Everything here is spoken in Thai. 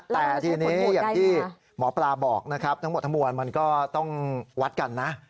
แต่ทีนี้อย่างที่หมอปลาบอกนะครับทั้งหมดทั้งมวลมันก็ต้องวัดกันนะ